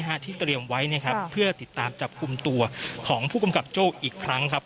ที่เตรียมไว้นะครับเพื่อติดตามจับกลุ่มตัวของผู้กำกับโจ้อีกครั้งครับ